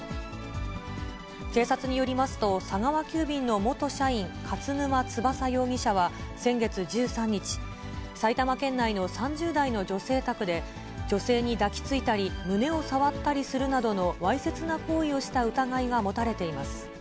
警察によりますと、佐川急便の元社員、勝沼翼容疑者は先月１３日、埼玉県内の３０代の女性宅で、女性に抱きついたり、胸を触ったりするなどのわいせつな行為をした疑いが持たれています。